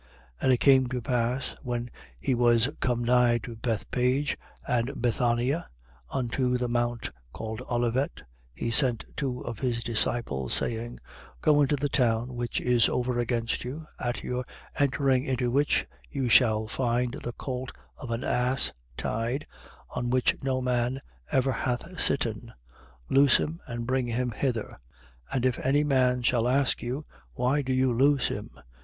19:29. And it came to pass, when he was come nigh to Bethphage and Bethania, unto the mount called Olivet, he sent two of his disciples, 19:30. Saying: Go into the town which is over against you, at your entering into which you shall find the colt of an ass tied, on which no man ever hath sitten: loose him and bring him hither. 19:31. And if any man shall ask you: Why do you loose him?